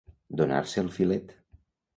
Donar-se el filet.